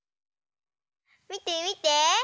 みてみて。